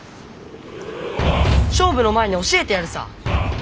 勝負の前に教えてやるさ。